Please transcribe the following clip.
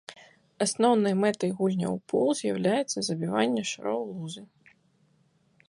Асноўнай мэтай гульняў у пул з'яўляецца забіванне шароў ў лузы.